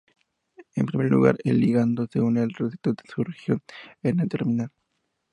En primer lugar, el ligando se une al receptor en su región N-terminal.